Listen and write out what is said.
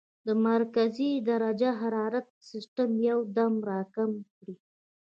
د مرکزي درجه حرارت سسټم يو دم را کم کړي -